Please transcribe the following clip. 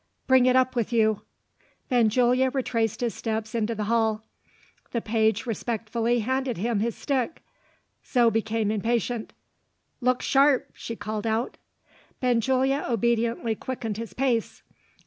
"Bring it up with you." Benjulia retraced his steps into the hall. The page respectfully handed him his stick. Zo became impatient. "Look sharp!" she called out. Benjulia obediently quickened his pace.